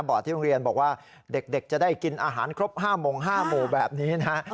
ที่โรงเรียนบอกว่าเด็กจะได้กินอาหารครบ๕โมง๕หมู่แบบนี้นะฮะ